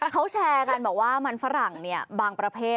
เขาแชร์กันบอกว่ามันฝรั่งบางประเภท